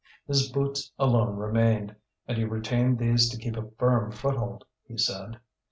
His boots alone remained, and he retained these to keep a firm foothold, he said.